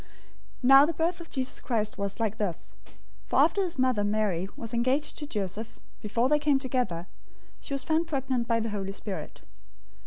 001:018 Now the birth of Jesus Christ was like this; for after his mother, Mary, was engaged to Joseph, before they came together, she was found pregnant by the Holy Spirit.